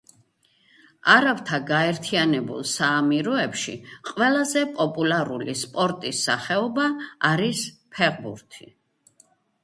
არაბთა გაერთიანებულ საამიროებში ყველაზე პოპულარული სპორტის სახეობა არის ფეხბურთი.